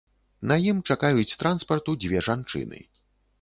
На ім чакаюць транспарту дзве жанчыны.